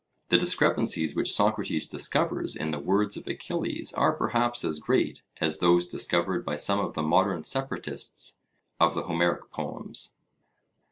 The discrepancies which Socrates discovers in the words of Achilles are perhaps as great as those discovered by some of the modern separatists of the Homeric poems...